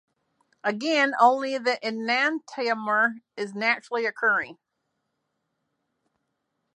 Again, only the enantiomer is naturally occurring.